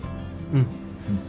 うん。